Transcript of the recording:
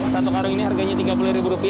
satu karung ini harganya rp tiga puluh